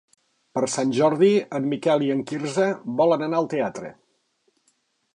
Per Sant Jordi en Miquel i en Quirze volen anar al teatre.